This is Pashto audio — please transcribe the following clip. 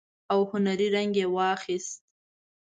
او هنري رنګ يې واخيست.